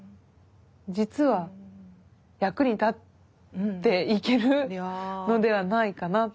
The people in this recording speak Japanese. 実は役に立っていけるのではないかなって。